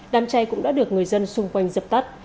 đám cháy cũng đã được người dân xung quanh dập tắt